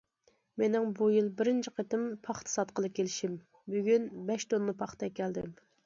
مېنىڭ بۇ يىل بىرىنچى قېتىم پاختا ساتقىلى كېلىشىم، بۈگۈن بەش توننا پاختا ئەكەلدىم.